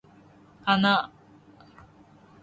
花